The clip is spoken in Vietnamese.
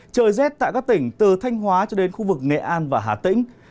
trời rét tại các tỉnh từ thanh hóa cho đến khu vực nghệ an và hà tĩnh